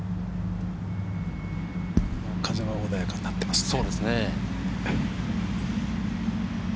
風は穏やかになっていますね。